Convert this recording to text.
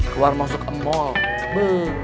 keluar masuk ke mall